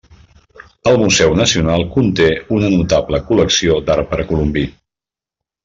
El Museu Nacional conté una notable col·lecció d'art precolombí.